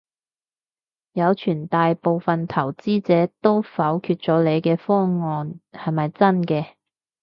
有傳大部份投資者都否決咗你嘅方案，係咪真嘅？